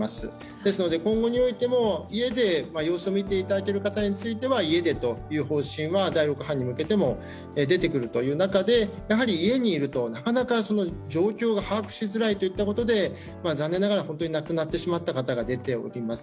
ですので今後においても、家で様子を見ていただける方については家でという方針は第６波に向けても出てくる中で家にいるとなかなか状況が把握しづらいといったところで残念ながら本当に亡くなってしまった方が出ております。